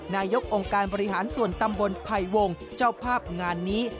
นายกองค์การบริหารส่วนตำบลไผ่วงเจ้าภาพงานนี้